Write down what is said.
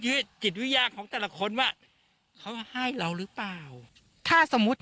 จิตวิญญาณของแต่ละคนว่าเขาให้เราหรือเปล่าถ้าสมมุติ